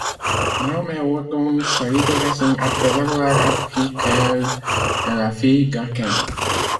Mahomet ordonne sa libération après avoir appris qu'elle est la fille d'Hatem.